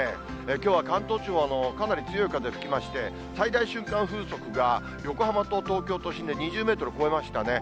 きょうは関東地方、かなり強い風が吹きまして、最大瞬間風速が横浜と東京都心で２０メートル超えましたね。